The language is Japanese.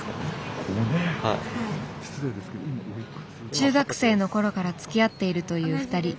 中学生の頃からつきあっているという２人。